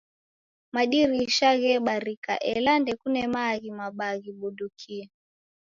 Madirisha ghebarika, ela ndekune maaghi mabaa ghibudukie